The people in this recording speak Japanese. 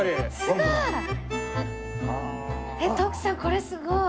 すごい！徳さんこれすごい！